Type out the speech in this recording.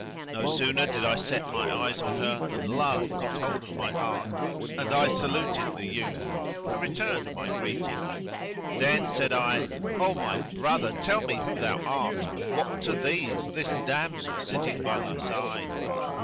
No sooner did I set eyes on her than love get hold upon my heart and I saluted the youth, who returned my greeting. Then said I, "O my brother, tell me who thou art and what to thee is this damsel sitting by thy side?"